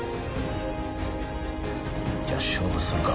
じゃあ勝負するか。